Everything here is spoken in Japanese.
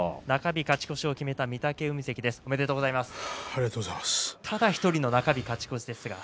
中日勝ち越しを決めた御嶽海関です。